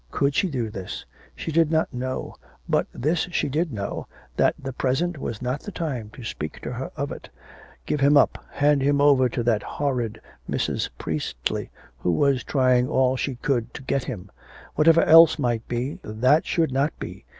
Could she do this? She did not know. But this she did know, that the present was not the time to speak to her of it. Give him up, hand him over to that horrid Mrs. Priestly, who was trying all she could to get him. Whatever else might be, that should not be....